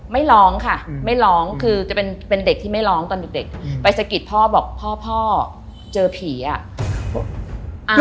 ไม่ร้องค่ะไม่ร้องคือจะเป็นเด็กที่ไม่ร้องตอนเด็กไปสะกิดพ่อบอกพ่อพ่อเจอผีอ่ะ